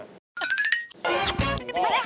ผมไม่ได้ทำอะไรผิดนี่ค่ะ